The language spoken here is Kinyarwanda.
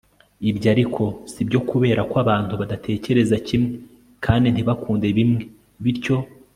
ibyo ariko si byo kubera ko abantu badatekereza kimwe kandi ntibakunde bimwe. bityo